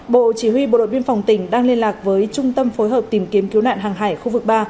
bộ chỉ huy bộ đội biên phòng tỉnh đang liên lạc với trung tâm phối hợp tìm kiếm cứu nạn hàng hải khu vực ba